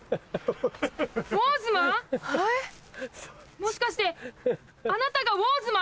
もしかしてあなたがウォーズマン？